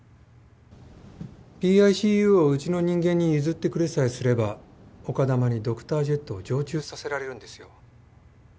ＰＩＣＵをうちの人間に譲ってくれさえすれば丘珠にドクタージェットを常駐させられるんですよ。